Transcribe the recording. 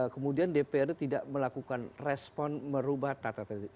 kemudian dprd tidak melakukan respon merubah tata tata itu